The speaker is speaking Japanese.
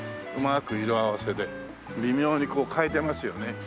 うまく色合わせで微妙にこう変えてますよね。